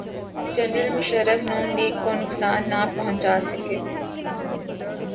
General Musharraf Noon league کو نقصان نہ پہنچا سکے۔